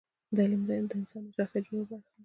علم د انسان د شخصیت د جوړښت برخه ده.